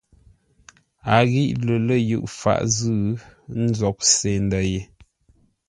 A ghíʼ lə̌r lə̂ yʉʼ faʼ zʉ́, ə́ sóghʼ se ndə̂ ye.